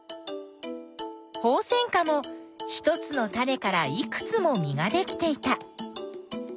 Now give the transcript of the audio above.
ホウセンカも１つのタネからいくつも実ができていた。